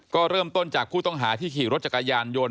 ก็เริ่มต้นจากผู้ต้องหาที่ขี่รถจักรยานยนต